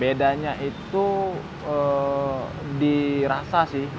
bedanya itu dirasa sih